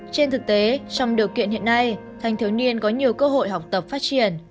trên thực tế trong điều kiện hiện nay thanh thiếu niên có nhiều cơ hội học tập phát triển